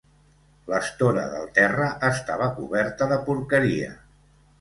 L'estora del terra estava coberta de porqueria.